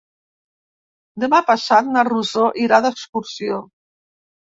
Demà passat na Rosó irà d'excursió.